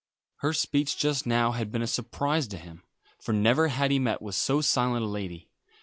Her speech just now had been a surprise to him, for never had he met with so silent a lady.